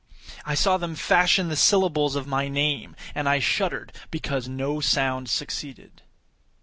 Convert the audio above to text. I saw them fashion the syllables of my name; and I shuddered because no sound succeeded.